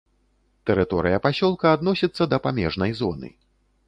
Тэрыторыя пасёлка адносіцца да памежнай зоны.